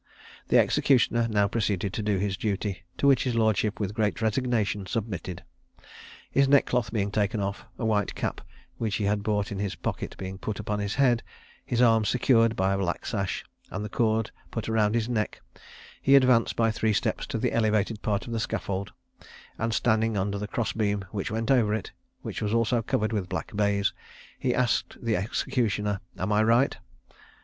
The executioner now proceeded to do his duty, to which his lordship, with great resignation, submitted. His neckcloth being taken off, a white cap, which he had brought in his pocket, being put upon his head, his arms secured by a black sash, and the cord put round his neck, he advanced by three steps to the elevated part of the scaffold, and, standing under the cross beam which went over it, which was also covered with black baize, he asked the executioner "Am I right?"